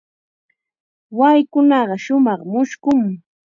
Waykunaqa shumaq mushkun.